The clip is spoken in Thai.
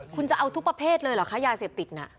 คุณจะเอาทุกประเภทเลยเหรอคะยาเสพติดน่ะ